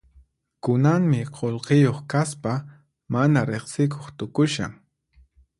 Kunanmi qullqiyuq kaspa mana riqsikuq tukushan.